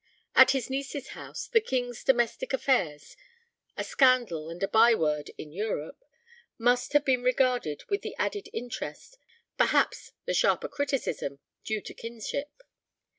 At his niece's house the King's domestic affairs a scandal and a by word in Europe must have been regarded with the added interest, perhaps the sharper criticism, due to kinship.